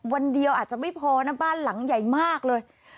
วันเดียวอาจจะไม่พอนะบ้านหลังใหญ่มากเลย